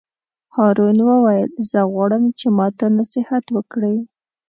هارون وویل: زه غواړم چې ماته نصیحت وکړې.